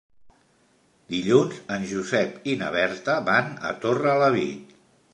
Dilluns en Josep i na Berta van a Torrelavit.